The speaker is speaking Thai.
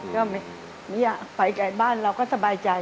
ก็ไม่อยากไปไกลบ้านเราก็สบายใจ